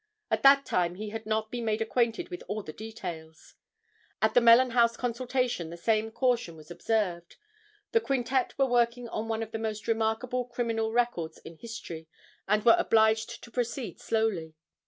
At that time he had not been made acquainted with all the details. At the Mellen House consultation the same caution was observed. The quintet were working on one of the most remarkable criminal records in history, and were obliged to proceed slowly.